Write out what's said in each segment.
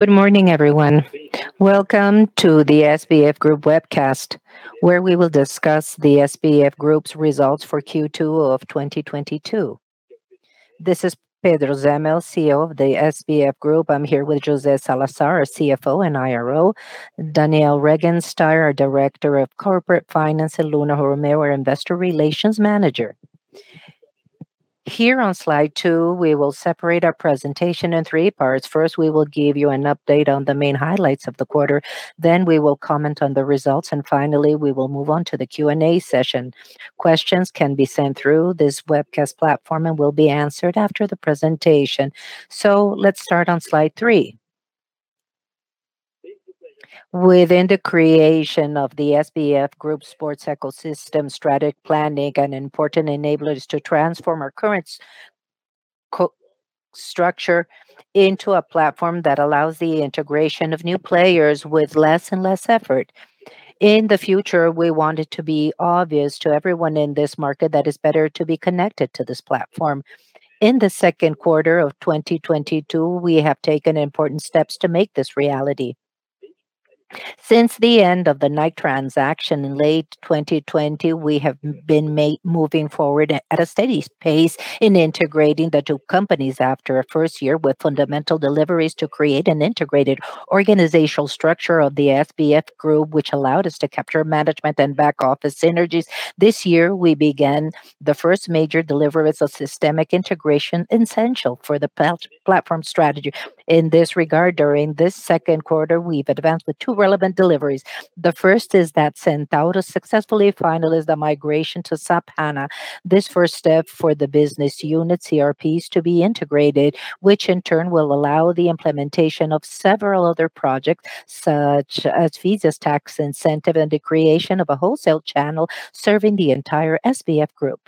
Good morning, everyone. Welcome to the SBF Group webcast, where we will discuss the SBF Group's results for Q2 of 2022. This is Pedro Zemel, Chief Executive Officer of the SBF Group. I'm here with José Salazar, our Chief Financial Officer and Investor Relations Officer, Daniel Regensteiner, our Director of Corporate Finance, and Luna Romeu, our Investor Relations Manager. Here on slide two, we will separate our presentation in three parts. First, we will give you an update on the main highlights of the quarter, then we will comment on the results, and finally, we will move on to the Q&A session. Questions can be sent through this webcast platform and will be answered after the presentation. Let's start on slide three. Within the creation of the SBF Group sports ecosystem, strategic planning, and important enablers to transform our current core structure into a platform that allows the integration of new players with less and less effort. In the future, we want it to be obvious to everyone in this market that it's better to be connected to this platform. In the second quarter of 2022, we have taken important steps to make this reality. Since the end of the Nike transaction in late 2020, we have been moving forward at a steady pace in integrating the two companies after a first year with fundamental deliveries to create an integrated organizational structure of the SBF Group, which allowed us to capture management and back office synergies. This year we began the first major delivery with a systemic integration essential for the platform strategy. In this regard, during this second quarter, we've advanced with two relevant deliveries. The first is that Centauro successfully finalized the migration to SAP HANA. This first step for the business unit CRPS to be integrated, which in turn will allow the implementation of several other projects such as Fisia's tax incentive and the creation of a wholesale channel serving the entire SBF Group.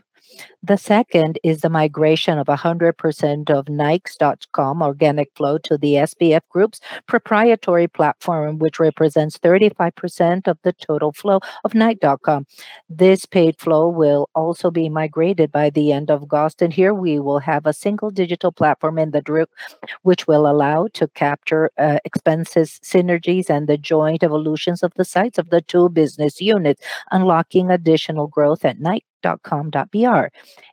The second is the migration of 100% of Nike's.com organic flow to the SBF Group's proprietary platform, which represents 35% of the total flow of Nike dot com. This paid flow will also be migrated by the end of August, and here we will have a single digital platform in the group which will allow to capture, expenses, synergies, and the joint evolutions of the sites of the two business units, unlocking additional growth at nike.com.br.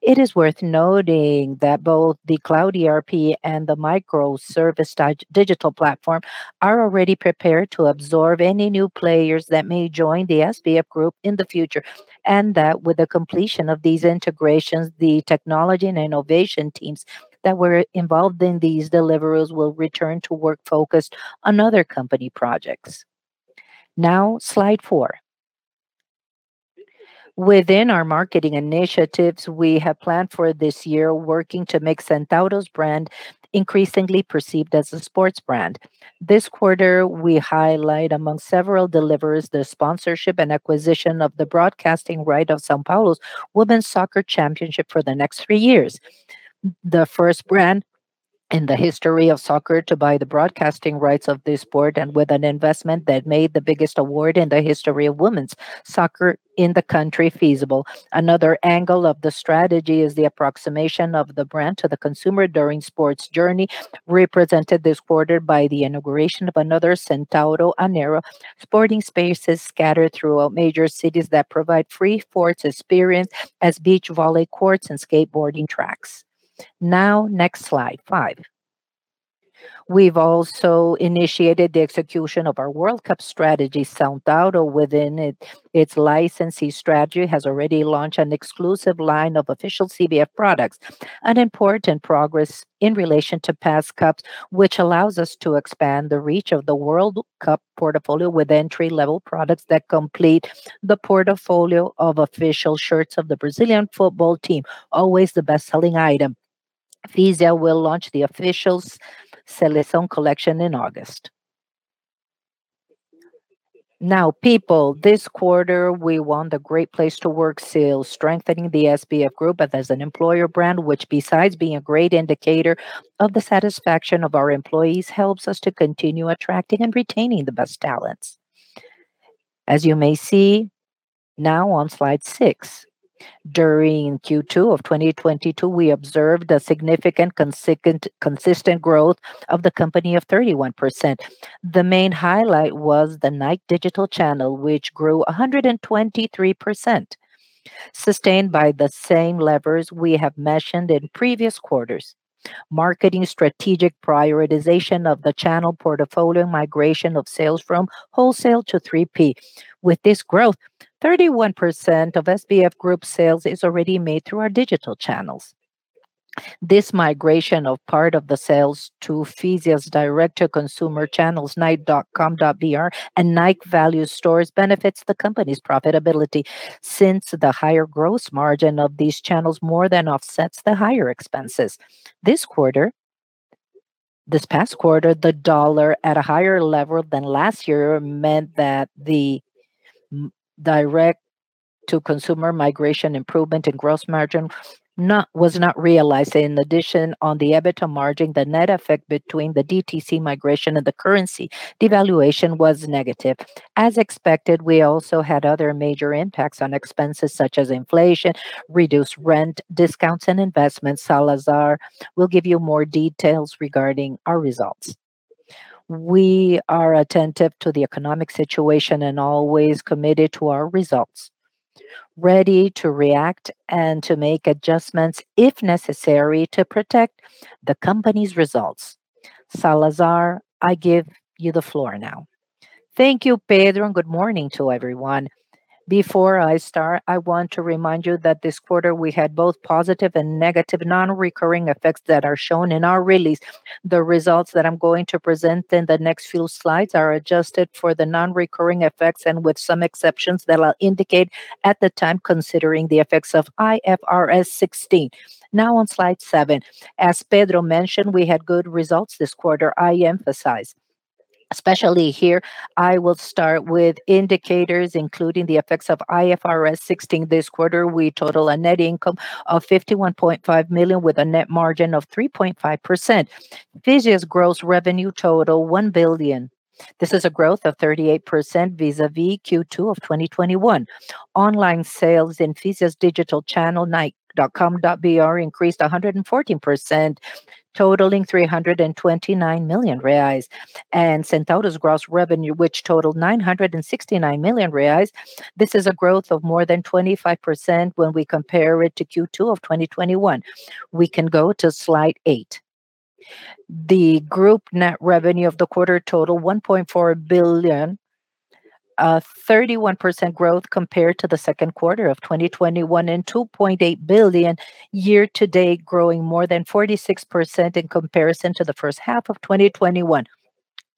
It is worth noting that both the cloud ERP and the microservice digital platform are already prepared to absorb any new players that may join the SBF Group in the future. That with the completion of these integrations, the technology and innovation teams that were involved in these deliverables will return to work focused on other company projects. Now, slide four. Within our marketing initiatives we have planned for this year working to make Centauro's brand increasingly perceived as a sports brand. This quarter, we highlight among several deliveries the sponsorship and acquisition of the broadcasting right of São Paulo's Women's Soccer Championship for the next three years. The first brand in the history of soccer to buy the broadcasting rights of this sport and with an investment that made the biggest award in the history of women's soccer in the country feasible. Another angle of the strategy is the approximation of the brand to the consumer during sports journey, represented this quarter by the inauguration of another Centauro Arena. Sporting spaces scattered throughout major cities that provide free sports experience as beach volleyball courts and skateboarding tracks. Now, next slide five. We've also initiated the execution of our World Cup strategy. Centauro within its licensee strategy has already launched an exclusive line of official CBF products, an important progress in relation to past Cups, which allows us to expand the reach of the World Cup portfolio with entry-level products that complete the portfolio of official shirts of the Brazilian football team, always the best-selling item. Fisia will launch the official Seleção collection in August. Now people this quarter we won the Great Place to Work seal, strengthening the SBF Group as an employer brand, which besides being a great indicator of the satisfaction of our employees, helps us to continue attracting and retaining the best talents. As you may see now on slide six, during Q2 of 2022, we observed a significant consistent growth of the company of 31%. The main highlight was the Nike digital channel, which grew 123%, sustained by the same levers we have mentioned in previous quarters. Marketing strategic prioritization of the channel portfolio, migration of sales from wholesale to 3P. With this growth, 31% of SBF Group sales is already made through our digital channels. This migration of part of the sales to Fisia's direct-to-consumer channels, nike.com.br and Nike Factory Stores benefits the company's profitability since the higher gross margin of these channels more than offsets the higher expenses. This past quarter, the dollar at a higher level than last year meant that the direct to consumer migration improvement in gross margin was not realized. In addition, on the EBITDA margin, the net effect between the DTC migration and the currency devaluation was negative. As expected, we also had other major impacts on expenses such as inflation, reduced rent, discounts, and investments. Salazar will give you more details regarding our results. We are attentive to the economic situation and always committed to our results, ready to react and to make adjustments if necessary to protect the company's results. Salazar, I give you the floor now. Thank you, Pedro, and good morning to everyone. Before I start, I want to remind you that this quarter we had both positive and negative non-recurring effects that are shown in our release. The results that I'm going to present in the next few slides are adjusted for the non-recurring effects and with some exceptions that I'll indicate at the time considering the effects of IFRS 16. Now on slide seven. As Pedro mentioned, we had good results this quarter, I emphasize. Especially here, I will start with indicators including the effects of IFRS 16 this quarter. We total a net income of 51.5 million with a net margin of 3.5%. Cencosud's gross revenue total 1 billion. This is a growth of 38% vis-a-vis Q2 of 2021. Online sales in Fisia's digital channel nike.com.br increased 114%, totaling 329 million reais. Centauro's gross revenue, which totaled 969 million reais, this is a growth of more than 25% when we compare it to Q2 of 2021. We can go to slide eight. The Group net revenue of the quarter total 1.4 billion, a 31% growth compared to the second quarter of 2021 and 2.8 billion year to date growing more than 46% in comparison to the first half of 2021.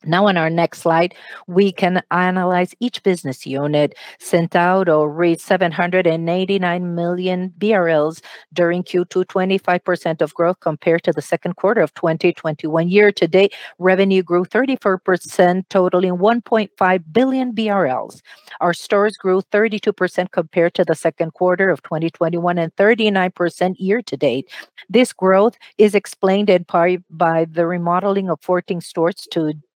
Now on our next slide, we can analyze each business unit. Centauro reached 789 million BRL during Q2, 25% of growth compared to the second quarter of 2021. Year to date, revenue grew 34% totaling 1.5 billion BRL. Our stores grew 32% compared to the second quarter of 2021 and 39% year to date. This growth is explained in part by the remodeling of 14 stores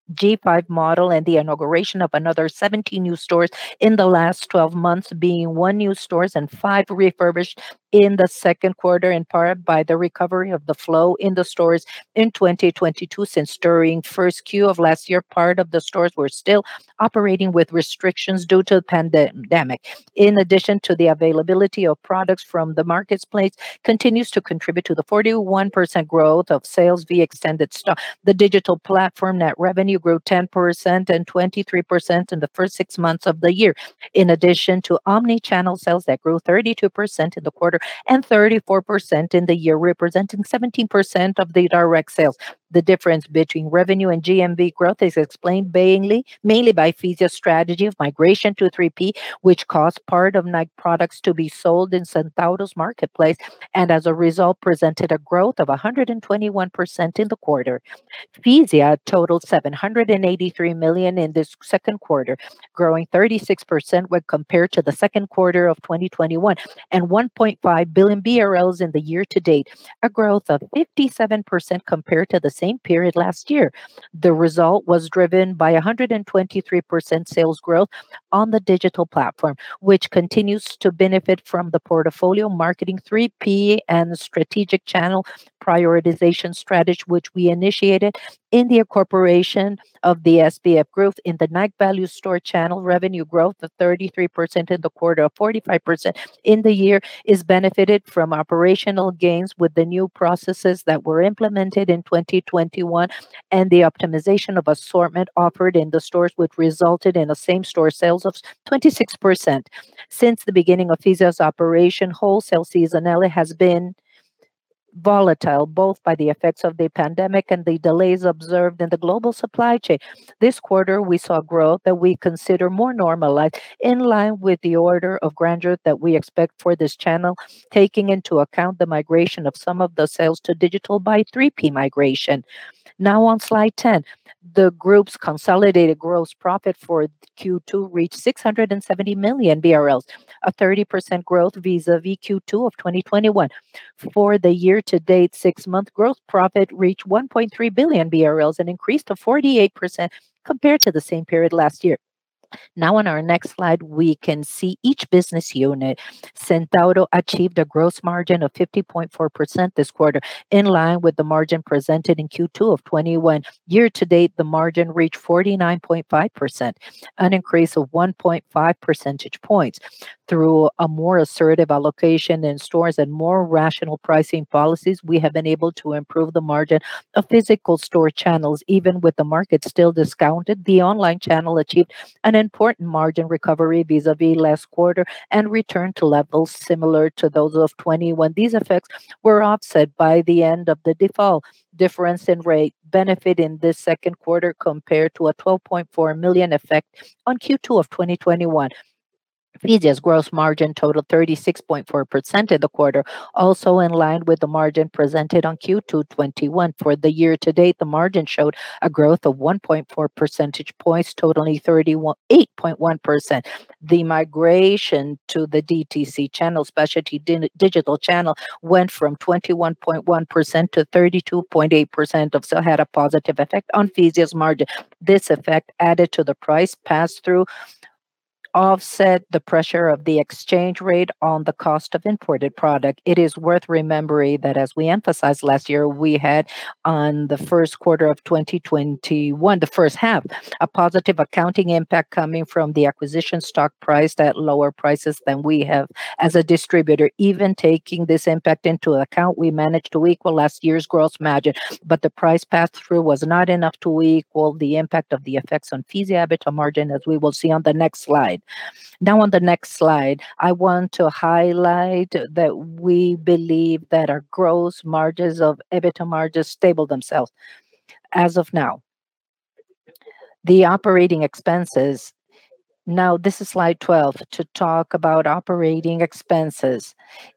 to G5 model and the inauguration of another 17 new stores in the last twelve months, being one new store and five refurbished in the second quarter, in part by the recovery of the flow in the stores in 2022 since during 1Q of last year, part of the stores were still operating with restrictions due to the pandemic. In addition to the availability of products from the marketplace continues to contribute to the 41% growth of sales via extended stock. The digital platform net revenue grew 10% and 23% in the first six months of the year. In addition to omni-channel sales that grew 32% in the quarter and 34% in the year, representing 17% of the direct sales. The difference between revenue and GMV growth is explained mainly by Fisia strategy of migration to 3P, which caused part of Nike products to be sold in Centauro's marketplace, and as a result, presented a growth of 121% in the quarter. Cencosud totaled 783 million in this second quarter, growing 36% when compared to the second quarter of 2021, and 1.5 billion BRL in the year to date, a growth of 57% compared to the same period last year. The result was driven by 123% sales growth on the digital platform, which continues to benefit from the portfolio marketing 3P and strategic channel prioritization strategy, which we initiated in the incorporation of the SBF growth in the Nike value store channel revenue growth of 33% in the quarter, 45% in the year is benefited from operational gains with the new processes that were implemented in 2021 and the optimization of assortment offered in the stores which resulted in a same-store sales of 26%. Since the beginning of Fisia's operation, wholesale seasonality has been volatile, both by the effects of the pandemic and the delays observed in the global supply chain. This quarter, we saw growth that we consider more normalized in line with the order of magnitude that we expect for this channel, taking into account the migration of some of the sales to digital by 3P migration. Now on slide 10. The group's consolidated gross profit for Q2 reached 670 million BRL, a 30% growth vis-a-vis Q2 of 2021. For the year to date, six-month gross profit reached 1.3 billion BRL, a 48% increase compared to the same period last year. Now on our next slide, we can see each business unit. Centauro achieved a gross margin of 50.4% this quarter, in line with the margin presented in Q2 of 2021. Year to date, the margin reached 49.5%, an increase of 1.5 percentage points. Through a more assertive allocation in stores and more rational pricing policies, we have been able to improve the margin of physical store channels even with the market still discounted. The online channel achieved an important margin recovery vis-a-vis last quarter and returned to levels similar to those of 2021. These effects were offset by the end of the default difference in rate benefit in this second quarter compared to a 12.4 million effect on Q2 of 2021. Fisia's gross margin totaled 36.4% in the quarter, also in line with the margin presented on Q2 2021. For the year to date, the margin showed a growth of 1.4 percentage points totaling 38.1%. The migration to the DTC channel, specifically the digital channel, went from 21.1% to 32.8% of sales had a positive effect on Fisia's margin. This effect added to the price pass-through offset the pressure of the exchange rate on the cost of imported product. It is worth remembering that as we emphasized last year, we had on the first quarter of 2021, the first half, a positive accounting impact coming from the acquisition stock price at lower prices than we have. As a distributor, even taking this impact into account, we managed to equal last year's gross margin, but the price pass-through was not enough to equal the impact of the effects on Fisia EBITDA margin, as we will see on the next slide. Now on the next slide, I want to highlight that we believe that our gross margin and EBITDA margin have stabilized as of now. Now, this is slide 12 to talk about operating expenses. Operating expenses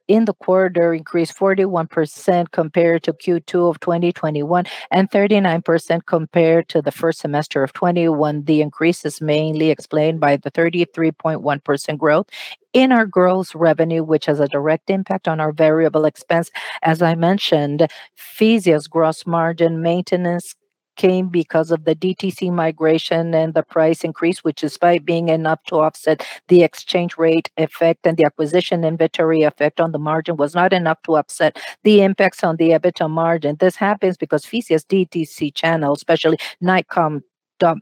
in the quarter increased 41% compared to Q2 of 2021, and 39% compared to the first semester of 2021. The increase is mainly explained by the 33.1% growth in our gross revenue, which has a direct impact on our variable expense. As I mentioned, our gross margin maintenance came because of the DTC migration and the price increase, which despite being enough to offset the exchange rate effect and the acquisition inventory effect on the margin, was not enough to offset the impacts on the EBITDA margin. This happens because Fisia's DTC channels, especially nike.com.br,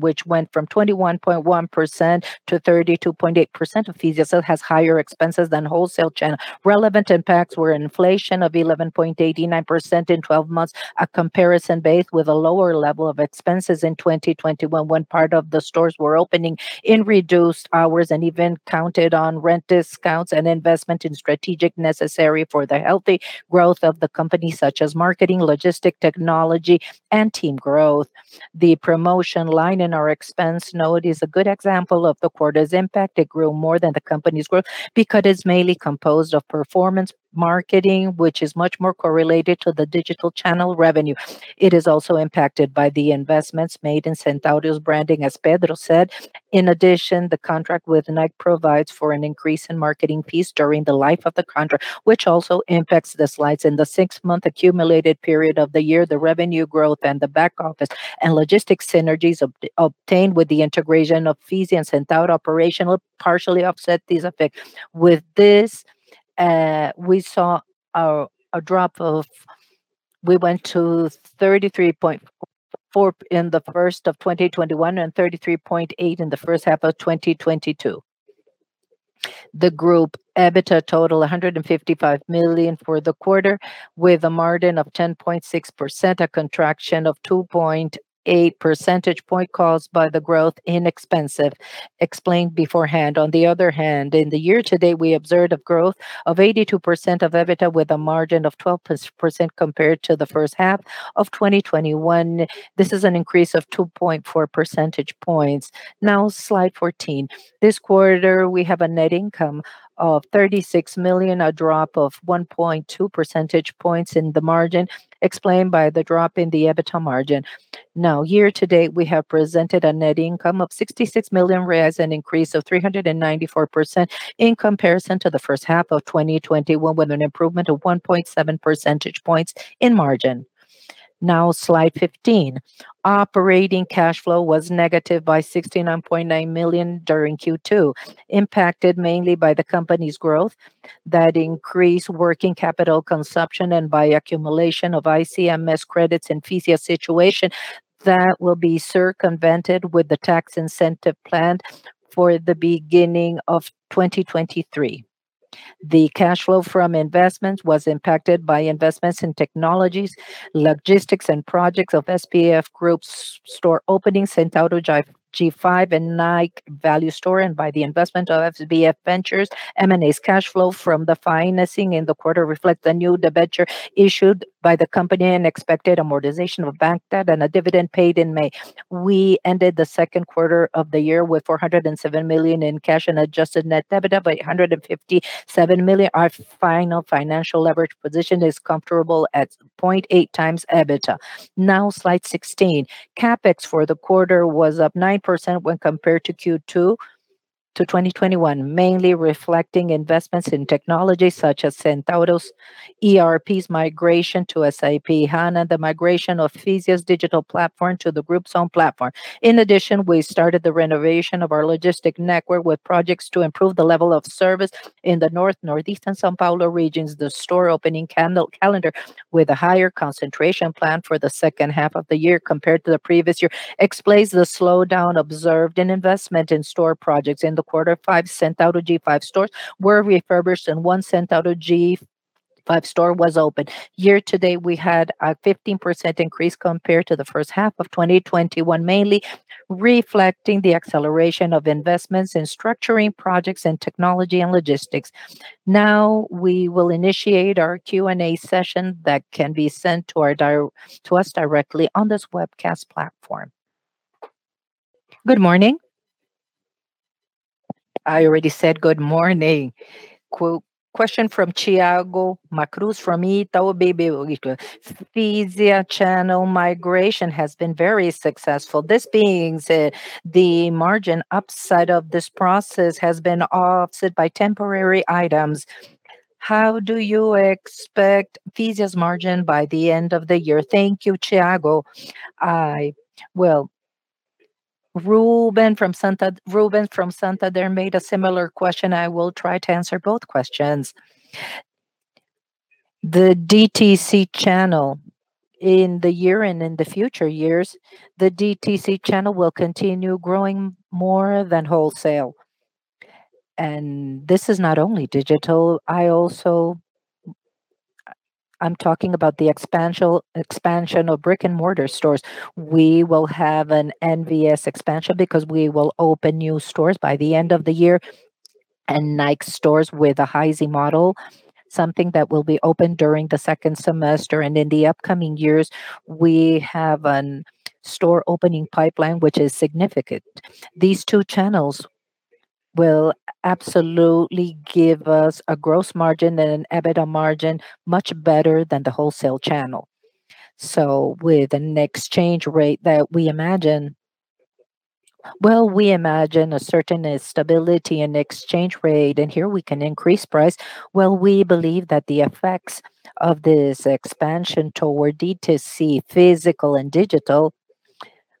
which went from 21.1% to 32.8% of Fisia SBF, has higher expenses than wholesale channel. Relevant impacts were inflation of 11.89% in twelve months, a comparison base with a lower level of expenses in 2021, when part of the stores were operating in reduced hours and even counted on rent discounts and investment in strategically necessary for the healthy growth of the company, such as marketing, logistics technology, and team growth. The promotion line in our expense note is a good example of the quarter's impact. It grew more than the company's growth because it's mainly composed of performance marketing, which is much more correlated to the digital channel revenue. It is also impacted by the investments made in Centauro's branding, as Pedro said. In addition, the contract with Nike provides for an increase in marketing fees during the life of the contract, which also impacts the slides. In the six-month accumulated period of the year, the revenue growth and the back office and logistics synergies obtained with the integration of Fisia and Centauro operational partially offset these effects. With this, we saw a drop. We went to 33.4 in the first half of 2021 and 33.8 in the first half of 2022. The group EBITDA totaled 155 million for the quarter, with a margin of 10.6%, a contraction of 2.8 percentage point caused by the increase in expenses explained beforehand. On the other hand, in the year to date, we observed a growth of 82% of EBITDA with a margin of 12% compared to the first half of 2021. This is an increase of 2.4 percentage points. Now, slide 14. This quarter, we have a net income of 36 million, a drop of 1.2 percentage points in the margin explained by the drop in the EBITDA margin. Now, year to date, we have presented a net income of 66 million reais, an increase of 394% in comparison to the first half of 2021, with an improvement of 1.7 percentage points in margin. Now, slide 15. Operating cash flow was negative by 69.9 million during Q2, impacted mainly by the company's growth that increased working capital consumption and by accumulation of ICMS credits in Fisia situation that will be circumvented with the tax incentive planned for the beginning of 2023. The cash flow from investments was impacted by investments in technologies, logistics, and projects of SBF Group's store openings, Centauro G5 and Nike Factory Store, and by the investment of SBF Ventures. The cash flow from financing in the quarter reflects the new debenture issued by the company and expected amortization of bank debt and a dividend paid in May. We ended the second quarter of the year with 407 million in cash and adjusted net debt of 857 million. Our final financial leverage position is comfortable at 0.8x EBITDA. Now, slide 16. CapEx for the quarter was up 9% when compared to Q2 2021, mainly reflecting investments in technology such as Centauro's ERP migration to SAP HANA, the migration of Fisia's digital platform to the group's own platform. In addition, we started the renovation of our logistics network with projects to improve the level of service in the North, Northeast, and São Paulo regions. The store opening calendar, with a higher concentration plan for the second half of the year compared to the previous year, explains the slowdown observed in investment in store projects. In the quarter, five Centauro G5 stores were refurbished and one Centauro G5 store was opened. Year to date, we had a 15% increase compared to the first half of 2021, mainly reflecting the acceleration of investments in structuring projects in technology and logistics. Now, we will initiate our Q&A session that can be sent to us directly on this webcast platform. Good morning. I already said good morning. Question from Thiago Macruz from Itaú BBA. Fisia channel migration has been very successful. This being said, the margin upside of this process has been offset by temporary items. How do you expect Fisia's margin by the end of the year? Thank you, Thiago. Well, Ruben Couto from Santander there made a similar question. I will try to answer both questions. The DTC channel in the year and in the future years, the DTC channel will continue growing more than wholesale. This is not only digital, I'm talking about the expansion of brick-and-mortar stores. We will have an NVS expansion because we will open new stores by the end of the year, and Nike stores with a, something that will be open during the second semester and in the upcoming years. We have a store opening pipeline which is significant. These two channels will absolutely give us a gross margin and an EBITDA margin much better than the wholesale channel. With an exchange rate that we imagine, well, we imagine a certain stability in exchange rate, and here we can increase price. Well, we believe that the effects of this expansion toward DTC, physical and digital,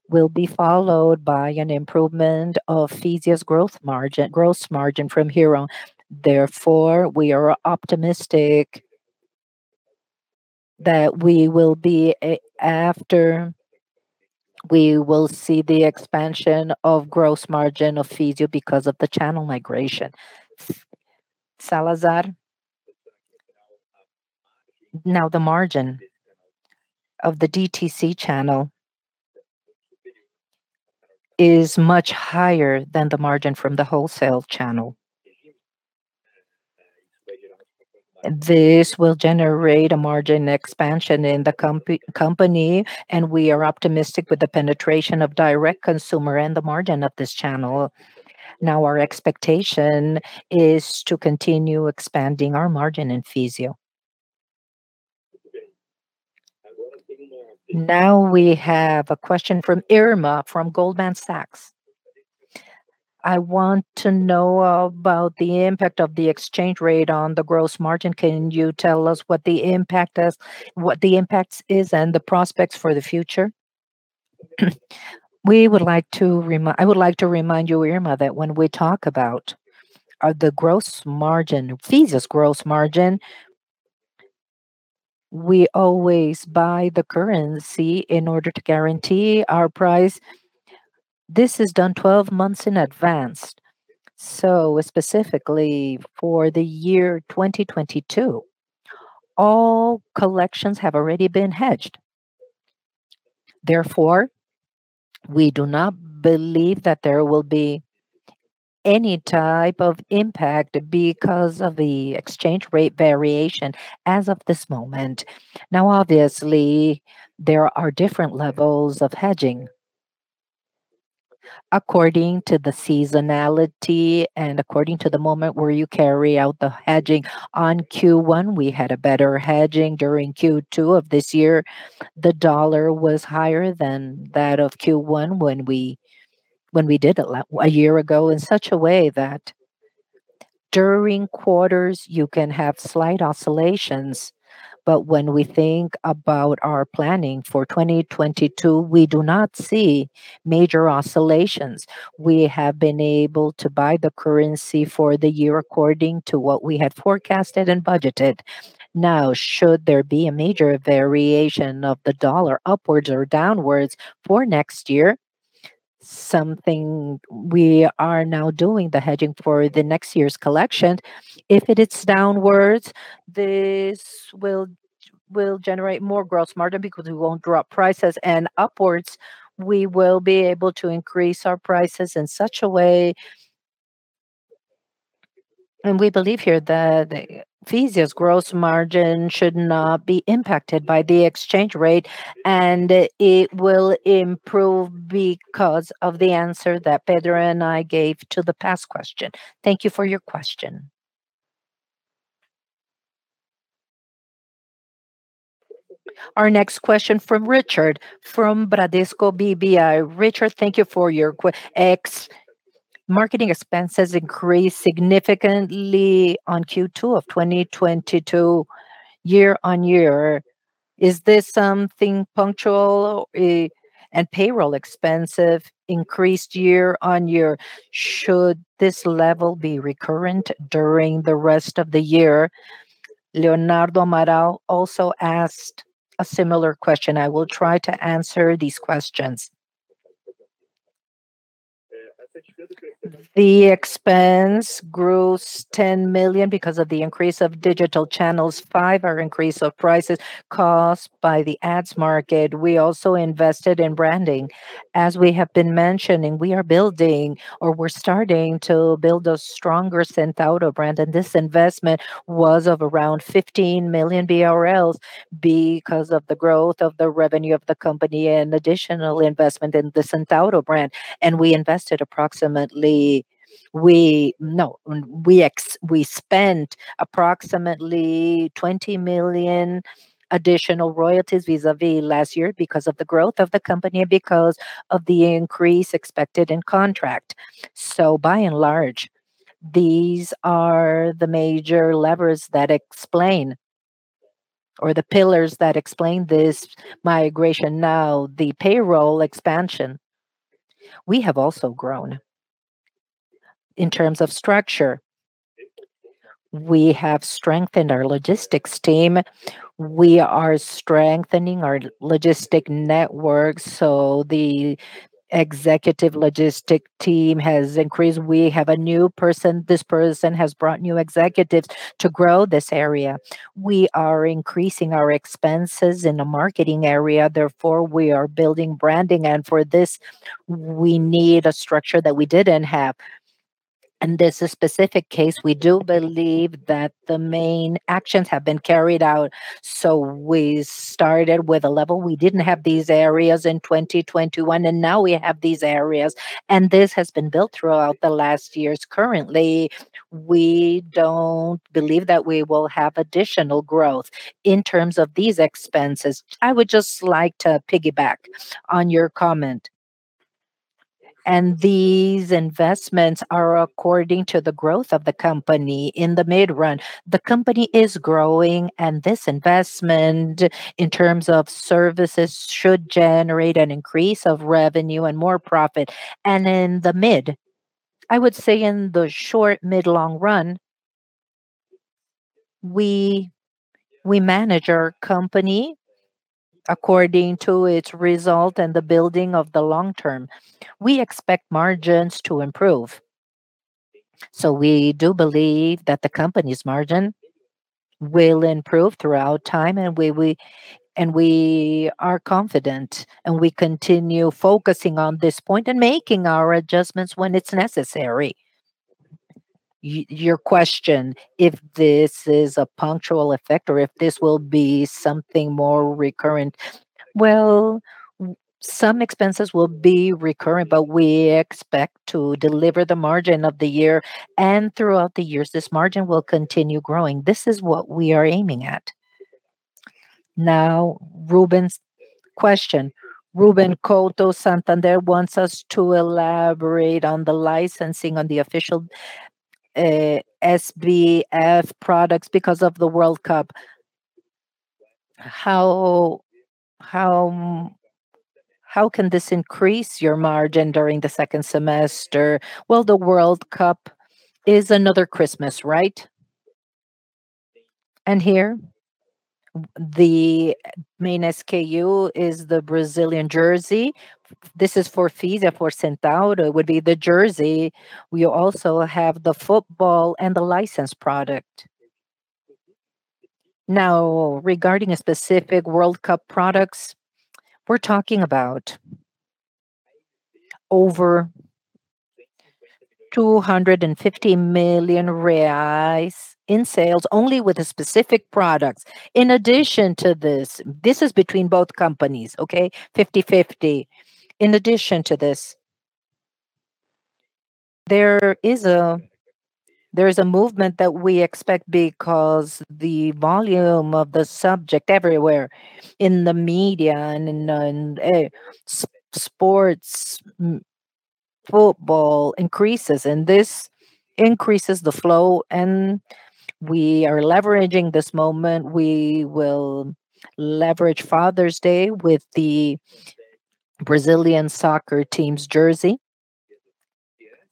will be followed by an improvement of Fisia's growth margin, gross margin from here on. Therefore, we are optimistic that after we will see the expansion of gross margin of Fisia because of the channel migration. Salazar? Now, the margin of the DTC channel is much higher than the margin from the wholesale channel. This will generate a margin expansion in the company, and we are optimistic with the penetration of direct consumer and the margin of this channel. Now, our expectation is to continue expanding our margin in Fisia. Now we have a question from Irma Sgarz from Goldman Sachs. I want to know about the impact of the exchange rate on the gross margin. Can you tell us what the impact is and the prospects for the future? I would like to remind you, Irma Sgarz, that when we talk about the gross margin, Fisia's gross margin, we always buy the currency in order to guarantee our price. This is done 12 months in advance. Specifically for the year 2022, all collections have already been hedged. Therefore, we do not believe that there will be any type of impact because of the exchange rate variation as of this moment. Now, obviously, there are different levels of hedging according to the seasonality and according to the moment where you carry out the hedging. On Q1, we had a better hedging. During Q2 of this year, the U.S. dollar was higher than that of Q1 when we did it a year ago in such a way that during quarters you can have slight oscillations. When we think about our planning for 2022, we do not see major oscillations. We have been able to buy the currency for the year according to what we had forecasted and budgeted. Now, should there be a major variation of the dollar upwards or downwards for next year, something we are now doing the hedging for the next year's collection. If it is downwards, this will generate more gross margin because we won't drop prices. Upwards, we will be able to increase our prices in such a way. We believe here that Fisia's gross margin should not be impacted by the exchange rate, and it will improve because of the answer that Pedro and I gave to the past question. Thank you for your question. Our next question from Richard Cathcart from Bradesco BBI. Richard, thank you for your question. Ad marketing expenses increased significantly in Q2 of 2022 year-over-year. Is this something punctual? Payroll expenses increased year-over-year. Should this level be recurrent during the rest of the year? Leonardo Maranhão also asked a similar question. I will try to answer these questions. The expense grows 10 million because of the increase of digital channels, 5 million from increase of prices caused by the ads market. We also invested in branding. As we have been mentioning, we are building or we're starting to build a stronger Centauro brand, and this investment was of around 15 million BRL because of the growth of the revenue of the company and additional investment in the Centauro brand. We spent approximately 20 million additional royalties vis-a-vis last year because of the growth of the company and because of the increase expected in contract. By and large, these are the major levers that explain or the pillars that explain this migration. The payroll expansion. We have also grown in terms of structure. We have strengthened our logistics team. We are strengthening our logistics network, so the executive logistics team has increased. We have a new person. This person has brought new executives to grow this area. We are increasing our expenses in the marketing area, therefore we are building branding, and for this, we need a structure that we didn't have. In this specific case, we do believe that the main actions have been carried out. We started with a level. We didn't have these areas in 2021, and now we have these areas, and this has been built throughout the last years. Currently, we don't believe that we will have additional growth in terms of these expenses. I would just like to piggyback on your comment. These investments are according to the growth of the company in the medium run. The company is growing, and this investment in terms of services should generate an increase of revenue and more profit. I would say in the short, mid, long run, we manage our company according to its result and the building of the long term. We expect margins to improve. We do believe that the company's margin will improve throughout time, and we are confident, and we continue focusing on this point and making our adjustments when it's necessary. Your question, if this is a punctual effect or if this will be something more recurrent, well, some expenses will be recurrent, but we expect to deliver the margin of the year. Throughout the years, this margin will continue growing. This is what we are aiming at. Now, Ruben's question. Ruben Couto, Santander wants us to elaborate on the licensing on the official SBF products because of the World Cup. How can this increase your margin during the second semester? Well, the World Cup is another Christmas, right? Here the main SKU is the Brazilian jersey. This is for Fisia, for Centauro. It would be the jersey. We also have the football and the licensed product. Now, regarding specific World Cup products, we're talking about over 250 million reais in sales only with the specific products. In addition to this is between both companies, okay, 50/50. In addition to this, there is a movement that we expect because the volume of the subject everywhere in the media and in sports, football increases, and this increases the flow. We are leveraging this moment. We will leverage Father's Day with the Brazilian soccer team's jersey.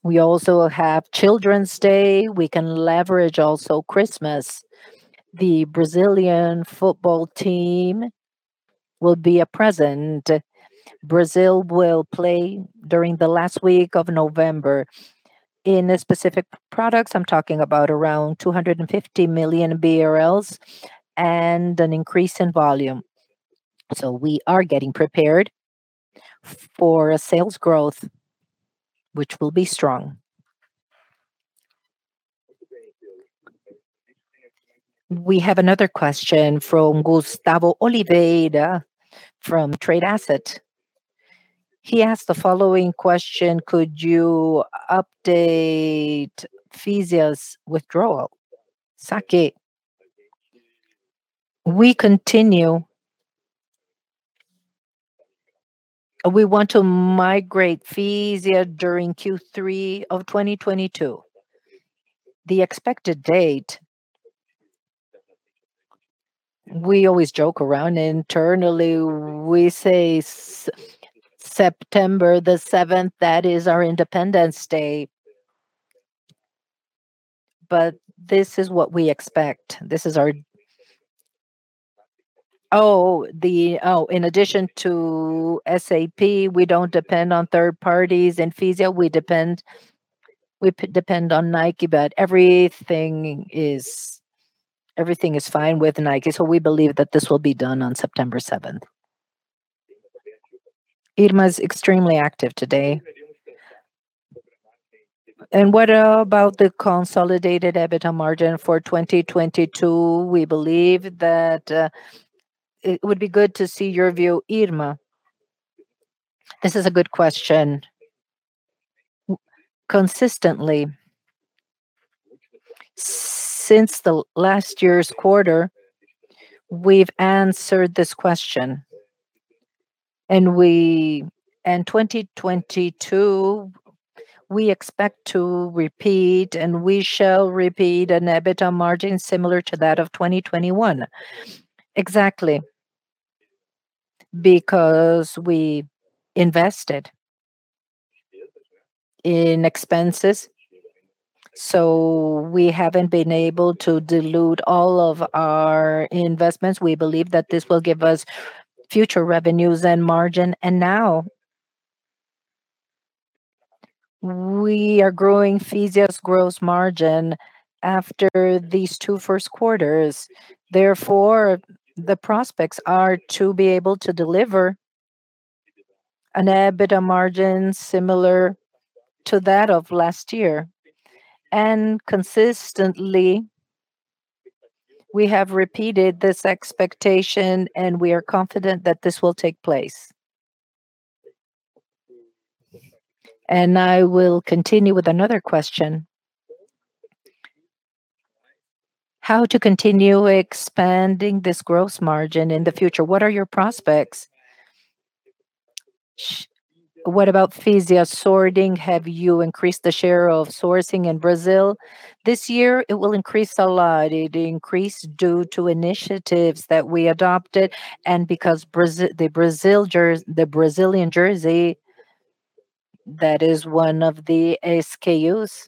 We also have Children's Day. We can leverage also Christmas. The Brazilian football team will be a present. Brazil will play during the last week of November. In the specific products, I'm talking about around 250 million BRL and an increase in volume. We are getting prepared for a sales growth, which will be strong. We have another question from Gustavo Oliveira from Trade Asset. He asked the following question: Could you update Fisia's withdrawal? We want to migrate Fisia during Q3 of 2022. The expected date, we always joke around internally. We say September the seventh. That is our Independence Day. This is what we expect. In addition to SAP, we don't depend on third parties in Fisia. We depend on Nike, but everything is fine with Nike. We believe that this will be done on September 7. Irma's extremely active today. What about the consolidated EBITDA margin for 2022? We believe that it would be good to see your view, Irma. This is a good question. Consistently since the last year's quarter, we've answered this question, and 2022, we expect to repeat, and we shall repeat an EBITDA margin similar to that of 2021. Exactly. Because we invested in expenses, so we haven't been able to dilute all of our investments. We believe that this will give us future revenues and margin. Now we are growing our gross margin after these two first quarters. Therefore, the prospects are to be able to deliver an EBITDA margin similar to that of last year. Consistently, we have repeated this expectation, and we are confident that this will take place. I will continue with another question. How to continue expanding this gross margin in the future? What are your prospects? What about Fisia sourcing? Have you increased the share of sourcing in Brazil? This year, it will increase a lot. It increased due to initiatives that we adopted and because the Brazilian jersey, that is one of the SKUs,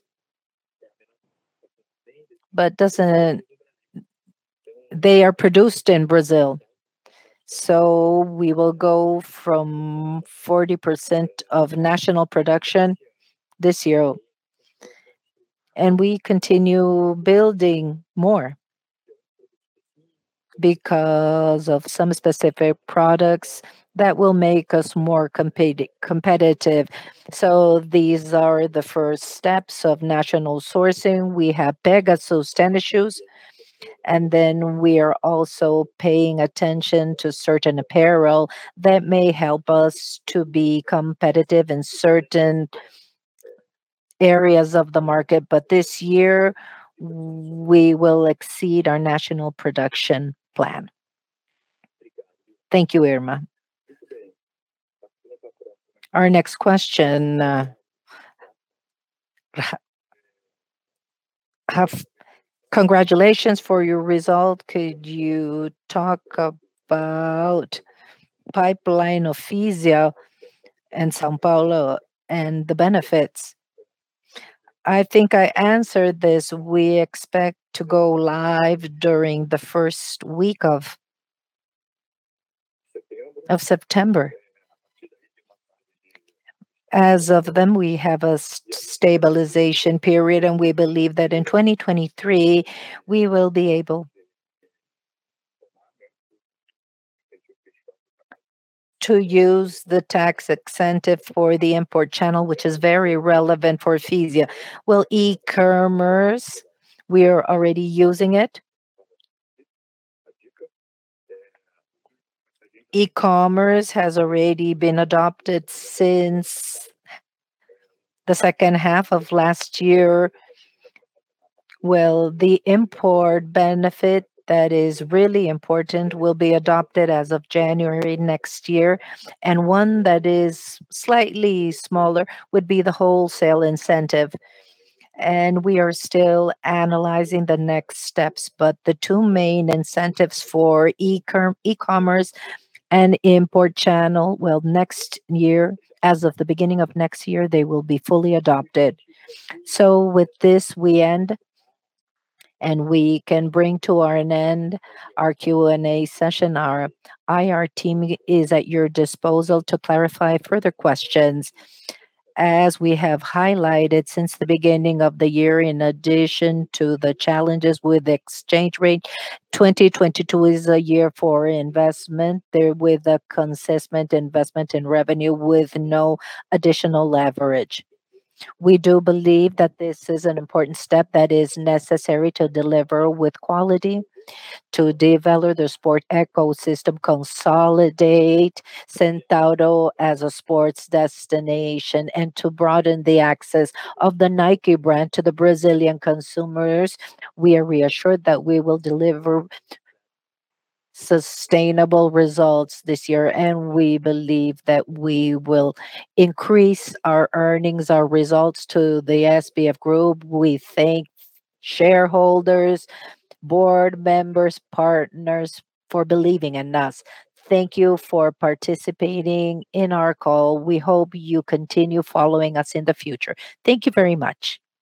but they are produced in Brazil. We will go from 40% of national production this year, and we continue building more because of some specific products that will make us more competitive. These are the first steps of national sourcing. We have Pegasus tennis shoes, and then we are also paying attention to certain apparel that may help us to be competitive in certain areas of the market. This year, we will exceed our national production plan. Thank you, Irma. Our next question, congratulations for your result. Could you talk about pipeline of Fisia in São Paulo and the benefits? I think I answered this. We expect to go live during the first week of September. As of then, we have a stabilization period, and we believe that in 2023, we will be able to use the tax incentive for the import channel, which is very relevant for Fisia. Well, e-commerce, we are already using it. E-commerce has already been adopted since the second half of last year. Well, the import benefit that is really important will be adopted as of January next year, and one that is slightly smaller would be the wholesale incentive. We are still analyzing the next steps, but the two main incentives for e-commerce and import channel, well, next year, as of the beginning of next year, they will be fully adopted. With this, we end, and we can bring to an end our Q&A session. Our IR team is at your disposal to clarify further questions. As we have highlighted since the beginning of the year, in addition to the challenges with exchange rate, 2022 is a year for investment there with a consistent investment in revenue with no additional leverage. We do believe that this is an important step that is necessary to deliver with quality, to develop the sport ecosystem, consolidate Centauro as a sports destination, and to broaden the access of the Nike brand to the Brazilian consumers. We are reassured that we will deliver sustainable results this year, and we believe that we will increase our earnings, our results to the SBF Group. We thank shareholders, board members, partners for believing in us. Thank you for participating in our call. We hope you continue following us in the future. Thank you very much.